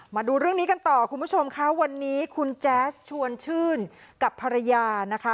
มาดูเรื่องนี้กันต่อคุณผู้ชมค่ะวันนี้คุณแจ๊สชวนชื่นกับภรรยานะคะ